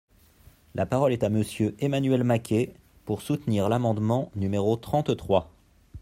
La parole est à Monsieur Emmanuel Maquet, pour soutenir l’amendement numéro trente-trois.